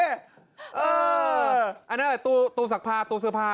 อันนั้นอะไรตู้สักผ้าตู้เสื้อผ้า